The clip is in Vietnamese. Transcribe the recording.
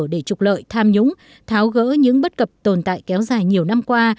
để trục lợi tham nhũng tháo gỡ những bất cập tồn tại kéo dài nhiều năm qua